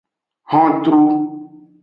Hontru.